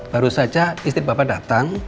baru saja istri bapak datang